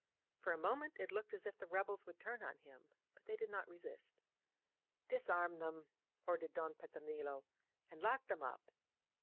For a moment it looked as if the rebels would turn on him, but they did not resist. "Disarm them !" ordered Don Petronilo. "And lock them up